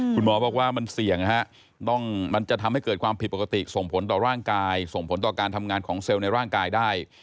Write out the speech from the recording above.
คุณหมอบอกว่ามันเสี่ยงนะฮะมันจะทำให้เกิดความผิดปกติส่งผลต่อร่างกายส่งผลต่อการทำงานของเซลล์ในร่างกายได้